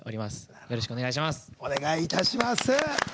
よろしくお願いします。